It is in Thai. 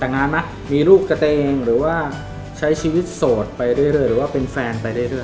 แต่งงานไหมมีลูกกับตัวเองหรือว่าใช้ชีวิตโสดไปเรื่อยหรือว่าเป็นแฟนไปเรื่อย